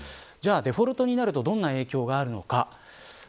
では、デフォルトになるとどういう影響があるのか。